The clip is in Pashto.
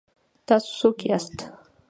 ـ تاسو څوک یاست؟